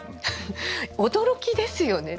驚きですよね。